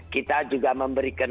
kita juga memberikan